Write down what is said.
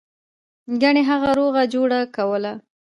ګنې هغه روغه جوړه کوله.